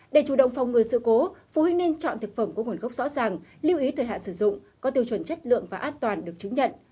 để chủ động phòng ngừa sự cố phụ huynh nên chọn thực phẩm có nguồn gốc rõ ràng lưu ý thời hạn sử dụng có tiêu chuẩn chất lượng và an toàn được chứng nhận